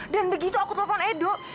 dan begitu aku telepon edo